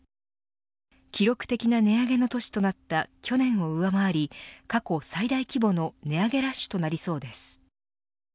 記録的な値上げの年となった去年を上回り過去最大規模の値上げラッシュとなりそうです。